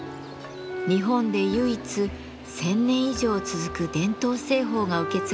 日本で唯一１，０００年以上続く伝統製法が受け継がれています。